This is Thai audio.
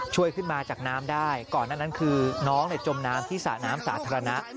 ช่วยขึ้นมาจากน้ำได้ก่อนนั้นคือน้องจมน้ำที่สระน้ำสาธารณะ